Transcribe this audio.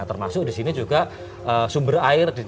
termasuk di sini juga sumber air di